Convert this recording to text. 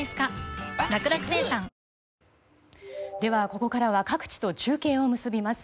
ここからは各地と中継を結びます。